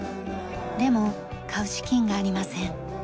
でも買う資金がありません。